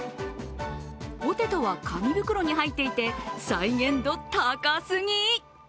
ポテトは紙袋に入っていて再現度高すぎ！